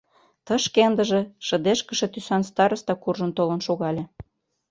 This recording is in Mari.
Тышке ындыже шыдешкыше тӱсан староста куржын толын шогале.